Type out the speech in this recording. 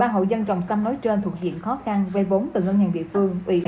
một mươi ba hộ dân trồng xăm nối trên thuộc diện khó khăn vây vốn từ ngân hàng địa phương